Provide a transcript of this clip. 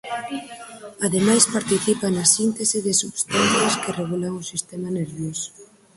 Ademais participa na síntese de substancias que regulan o sistema nervioso.